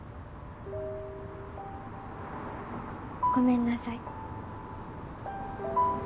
ごめんなさい。